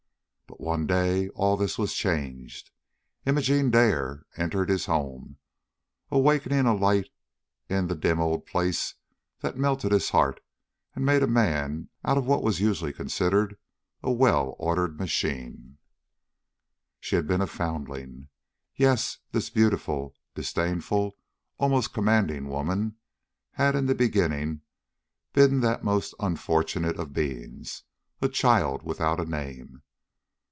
But one day all this was changed. Imogene Dare entered his home, awakening a light in the dim old place that melted his heart and made a man out of what was usually considered a well ordered machine. She had been a foundling. Yes, this beautiful, disdainful, almost commanding woman, had in the beginning been that most unfortunate of beings a child without a name.